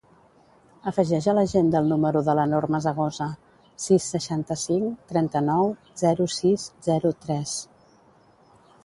Afegeix a l'agenda el número de la Nor Masegosa: sis, seixanta-cinc, trenta-nou, zero, sis, zero, tres.